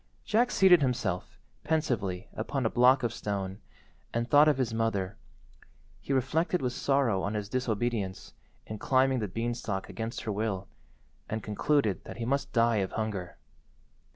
Jack seated himself, pensively, upon a block of stone, and thought of his mother. He reflected with sorrow on his disobedience in climbing the beanstalk against her will, and concluded that he must die of hunger.